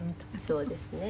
そうですね。